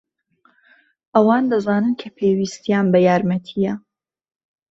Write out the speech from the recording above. ئەوان دەزانن کە پێویستیان بە یارمەتییە.